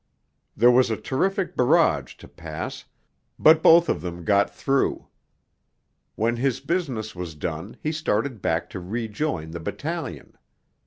There was a terrific barrage to pass, but both of them got through. When his business was done he started back to rejoin the battalion.